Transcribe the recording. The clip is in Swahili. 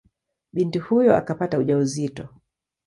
Binti huyo akapata ujauzito.